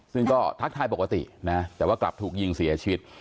ซึ่งก็ทักทายปกตินะแต่ว่ากลับถูกยิงเสียชีวิต